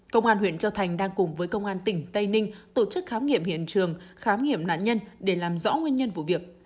công an huyện châu thành đang cùng với công an tỉnh tây ninh tổ chức khám nghiệm hiện trường khám nghiệm nạn nhân để làm rõ nguyên nhân vụ việc